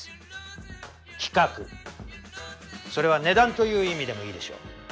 規格それは値段という意味でもいいでしょう。